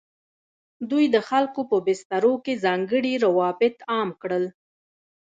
دوی د خلکو په بسترو کې ځانګړي روابط عام کړل.